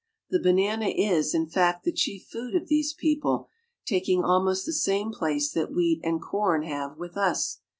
The banana is, in t'fact, the chief food of these people, taking almost the K«ame place that wheat and corn have with us.